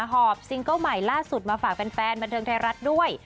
อบซิงเกิ้ลใหม่ล่าสุดมาฝากแฟนบันเทิงไทยรัฐด้วย